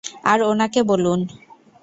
আর ওনাকে বলুন।